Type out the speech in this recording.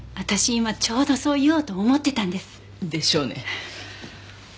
今ちょうどそう言おうと思ってたんです。でしょうね。